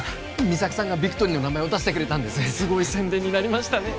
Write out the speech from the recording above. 三咲さんがビクトリーの名前を出してくれたんですすごい宣伝になりましたね